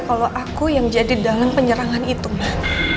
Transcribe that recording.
kalau aku yang jadi dalang penyerangan itu mah